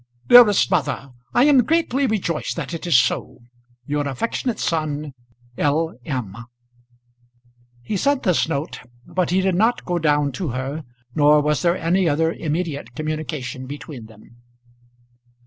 DEAREST MOTHER, I am greatly rejoiced that it is so. Your affectionate son, L. M. He sent this note, but he did not go down to her, nor was there any other immediate communication between them.